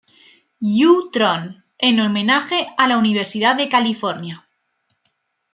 U.-tron, en homenaje a la Universidad de California.